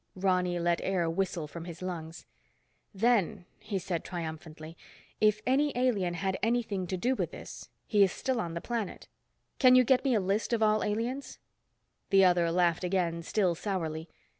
Ronny let air whistle from his lungs. "Then," he said triumphantly, "if any alien had anything to do with this, he is still on the planet. Can you get me a list of all aliens?" The other laughed again, still sourly.